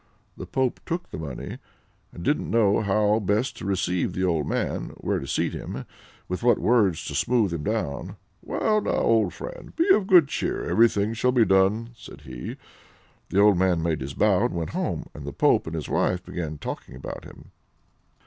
The pope took the money, and didn't know how best to receive the old man, where to seat him, with what words to smooth him down. "Well now, old friend! Be of good cheer; everything shall be done," said he. The old man made his bow, and went home, and the pope and his wife began talking about him.